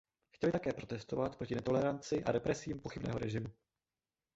Chtěli také protestovat proti netoleranci a represím pochybného režimu.